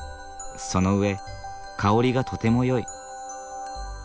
その上香りがとてもよい。